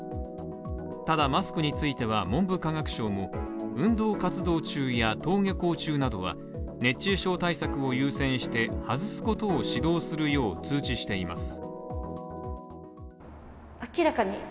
ただ、マスクについては文部科学省も、運動活動中や登下校中などは熱中症対策を優先して外すことを指導するよう通知しています。